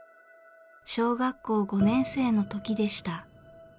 小学校５年生の時でした。